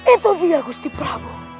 itu dia gusti prabu